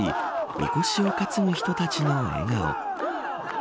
みこしを担ぐ人たちの笑顔。